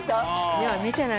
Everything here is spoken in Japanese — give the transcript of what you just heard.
今見てない。